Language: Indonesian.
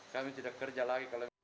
kami tidak kerja lagi